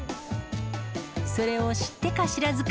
それを知ってか知らずか、